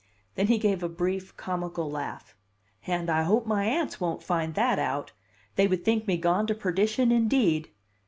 Then he gave a brief, comical laugh. "And I hope my aunts won't find that out! They would think me gone to perdition indeed.